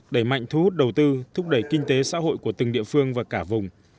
đẩy mạnh thu hút đầu tư thúc đẩy kinh tế xã hội của từng địa phương và cả vùng